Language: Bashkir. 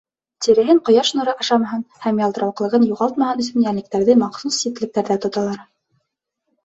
Тиреһен ҡояш нуры ашамаһын һәм ялтырауыҡлығын юғалтмаһын өсөн йәнлектәрҙе махсус ситлектәрҙә тоталар.